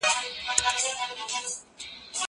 زه اوس د کتابتون کتابونه لوستل کوم؟!